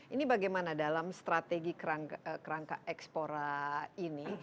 ini bagaimana dalam strategi kerangka ekspor ini